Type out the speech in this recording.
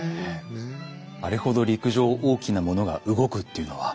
あれほど陸上を大きなものが動くっていうのは。